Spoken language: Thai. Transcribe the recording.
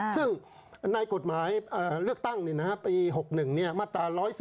ซึ่งในกฎหมายเลือกตั้งปี๖๑มาตรา๑๑๒